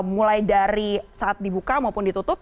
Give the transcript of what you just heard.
mulai dari saat dibuka maupun ditutup